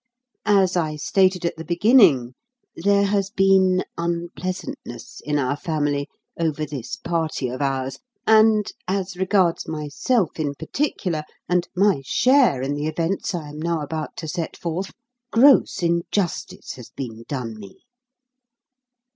As I stated at the beginning, there has been unpleasantness in our family over this party of ours, and, as regards myself in particular, and my share in the events I am now about to set forth, gross injustice has been done me.